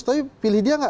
tapi pilih dia nggak